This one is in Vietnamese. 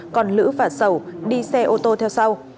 còn lữ và sầu đi xe ô tô theo sau